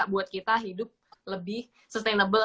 buat kita hidup lebih sustainable